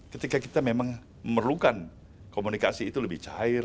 ketika kita memang memerlukan komunikasi itu lebih cair